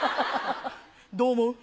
どう思う？